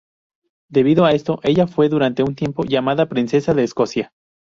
Debido a esto, ella fue durante un tiempo llamada princesa de Escocia.